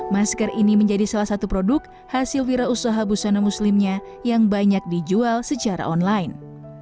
masker ini menjadi salah satu produk hasil wira usaha busana muslimnya yang banyak dijual secara online